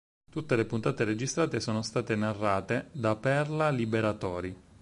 Tutte le puntate registrate sono state narrate da Perla Liberatori.